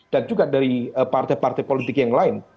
dan juga dari partai partai politik yang lain